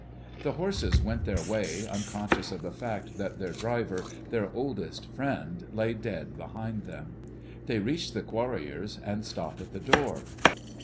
The horses went their way unconscious of the fact that their driver, their oldest friend, lay dead behind them. They reached the quarriers and stopped at the door.